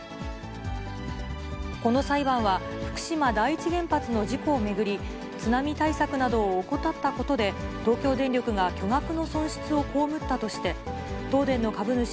この裁判は、福島第一原発の事故を巡り、津波対策などを怠ったことで、東京電力が巨額の損失を被ったとして、東電の株主